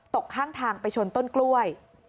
ตกทางไปชนต้นกล้วย